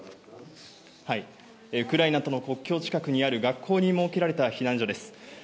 ウクライナとの国境近くにある学校に設けられた避難所です。